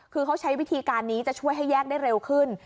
คือเขาใช้วิธีการนี้จะช่วยให้แยกได้เร็วขึ้น